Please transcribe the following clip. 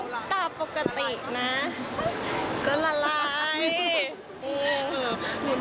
ก็มองต่าปกตินะก็ละลายอือ